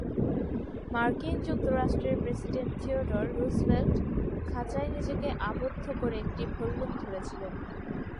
মার্কিন যুক্তরাষ্ট্রের president Theodore Roosevelt খাঁচায় নিজেকে আবদ্ধ করে একটি ভল্লুক ধরেছিলেন।